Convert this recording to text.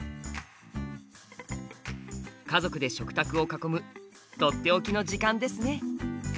家族で食卓を囲むとっておきの時間ですね。